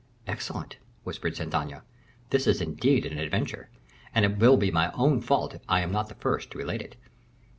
"Excellent," whispered Saint Aignan. "This is indeed an adventure; and it will be my own fault if I am not the first to relate it."